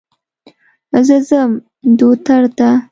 زه ځم دوتر ته.